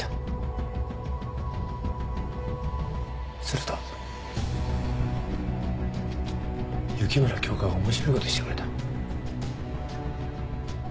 すると雪村京花が面白いことしてくれた。